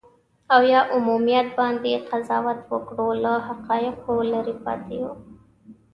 او یا عمومیت باندې قضاوت وکړو، له حقایقو لرې پاتې یو.